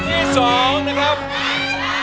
ใช่